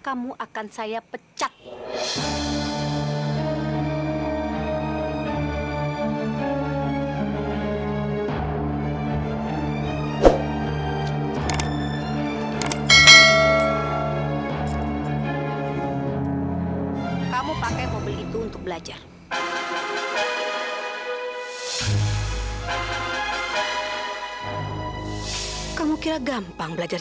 sampai jumpa di video selanjutnya